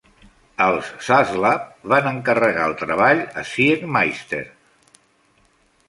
Els Saslav van encarregar el treball a Siegmeister.